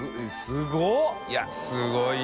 すごい！